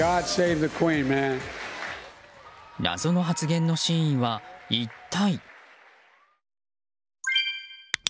謎の発言の真意は一体？